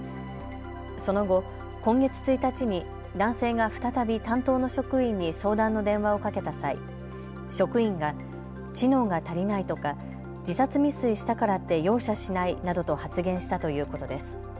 その後、今月１日に男性が再び担当の職員に相談の電話をかけた際、職員が知能が足りないとか自殺未遂したからって容赦しないなどと発言したということです。